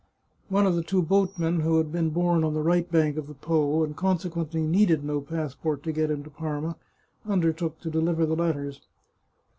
One of the two boatmen, who had been born on the right bank of the Po, and consequently needed no passport to get him to Parma, undertook to deliver the letters.